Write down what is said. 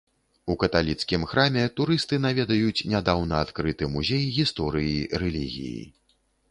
У каталіцкім храме турысты наведаюць нядаўна адкрыты музей гісторыі рэлігіі.